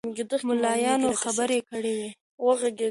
ملایانو خبرې کړې وې.